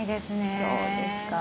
そうですか。